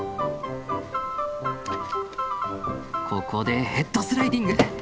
ここでヘッドスライディング！